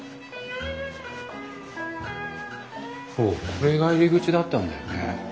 これが入り口だったんだよね。